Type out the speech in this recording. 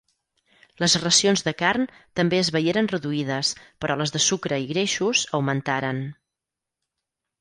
Les racions de carn també es veieren reduïdes, però les de sucre i greixos augmentaren.